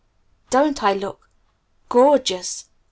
Don't I look gorgeous!"